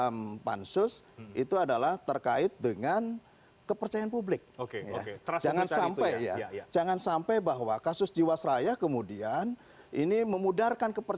misalnya ada kemudian